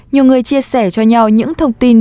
nhiều người chia sẻ cho nhau những thông tin